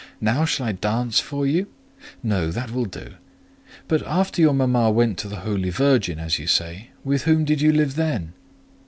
Now shall I dance for you?" "No, that will do: but after your mama went to the Holy Virgin, as you say, with whom did you live then?"